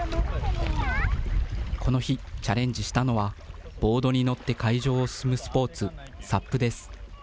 この日、チャレンジしたのは、ボードに乗って海上を進むスポーツ、ＳＵＰです。